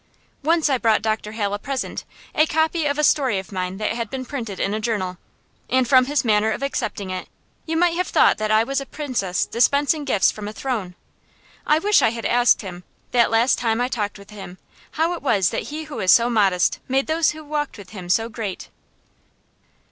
Once I brought Dr. Hale a present, a copy of a story of mine that had been printed in a journal; and from his manner of accepting it you might have thought that I was a princess dispensing gifts from a throne. I wish I had asked him, that last time I talked with him, how it was that he who was so modest made those who walked with him so great.